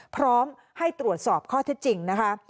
พร้อมให้ตรวจสอบข้อเท็จจริงนะคะ